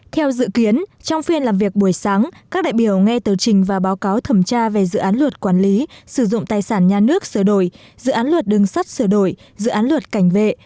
theo dự kiến trong phiên làm việc buổi sáng các đại biểu nghe tờ trình và báo cáo thẩm tra về dự án luật quản lý sử dụng tài sản nhà nước sửa đổi dự án luật đường sắt sửa đổi dự án luật cảnh vệ